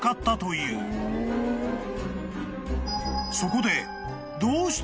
［そこで］